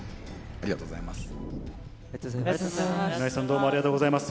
ありがとうございます。